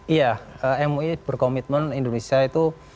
iya mui berkomitmen indonesia itu